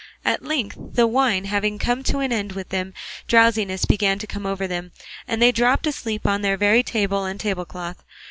At length, the wine having come to an end with them, drowsiness began to come over them, and they dropped asleep on their very table and tablecloth.